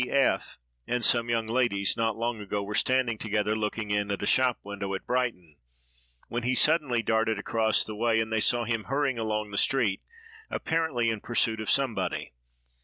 C—— F—— and some young ladies, not long ago, were standing together looking in at a shop window at Brighton,—when he suddenly darted across the way, and they saw him hurrying along the street, apparently in pursuit of somebody.